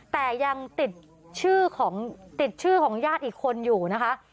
แต่ยังติดชื่อของติดชื่อของญาติอีกคนอยู่นะคะ